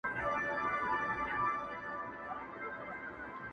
زه چي پر مخ زلفي لرم بل به یارکړمه!!..